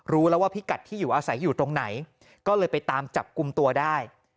รู้แล้วว่าพิกัดที่อยู่อาศัยอยู่ตรงไหนก็เลยไปตามจับกลุ่มตัวได้